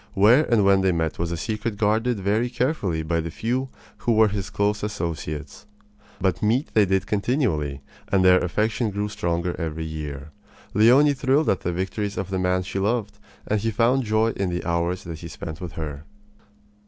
Where and when they met was a secret guarded very carefully by the few who were his close associates. But meet they did continually, and their affection grew stronger every year. Leonie thrilled at the victories of the man she loved; and he found joy in the hours that he spent with her.